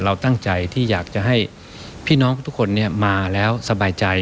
เราตั้งใจที่อยากจะให้พี่น้องทุกคนมาแล้วสบายใจ